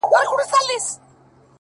دا هوښیاري نه غواړم. عقل ناباب راکه.